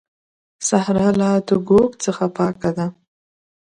صحرا لا د ږوږ څخه پاکه ده.